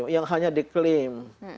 yang hanya diklaim